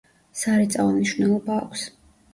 სარეწაო მნიშვნელობა აქვს.